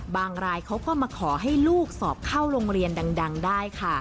รายเขาก็มาขอให้ลูกสอบเข้าโรงเรียนดังได้ค่ะ